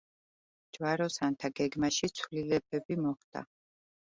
ჯვაროსანთა გეგმაში ცვლილებები მოხდა.